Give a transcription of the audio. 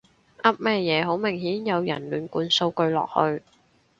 噏乜嘢，好明顯有人亂灌數據落去